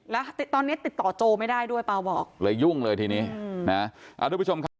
แล้วตอนเนี้ยติดต่อโจไม่ได้ด้วยปาวบอกเลยยุ่งเลยทีนี้นะเอาด้วยผู้ชมค่ะ